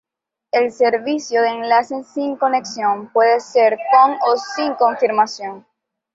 El servicio de enlace sin conexión puede ser con o sin confirmación.